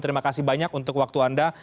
terima kasih banyak untuk waktu anda